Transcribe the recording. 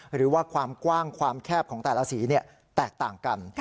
หรือว่าความกว้างความแคบของแต่ละสีแตกต่างกัน